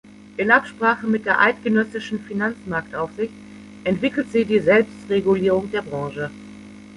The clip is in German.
In Absprache mit der Eidgenössischen Finanzmarktaufsicht entwickelt sie die Selbstregulierung der Branche.